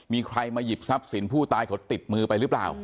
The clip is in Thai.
มีใครมาหยิบทรัพย์สินผู้ตายเขาติดมือไปหรือเปล่า